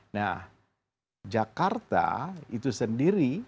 nah jakarta itu sendiri